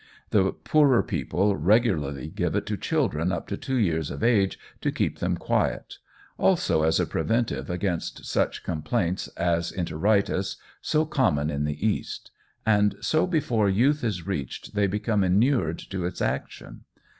The poorer people regularly give it to children up to two years of age, to keep them quiet, also as a preventive against such complaints as enteritis, so common in the East; and so before youth is reached they become inured to its action.